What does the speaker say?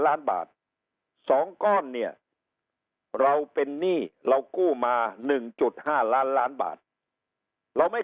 ล้านบาท๒ก้อนเนี่ยเราเป็นหนี้เรากู้มา๑๕ล้านล้านบาทเราไม่